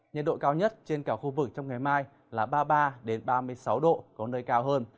nhiệt độ cao nhất trên cả khu vực trong ngày mai là ba mươi ba ba mươi sáu độ có nơi cao hơn